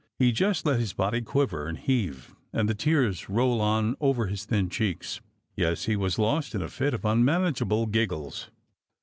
He just let his body quiver and heave and the tears roll on over his thin cheeks. Yes, he was lost in a fit of unmanageable giggles.